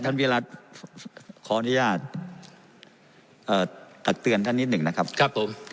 วิรัติขออนุญาตตักเตือนท่านนิดหนึ่งนะครับครับผม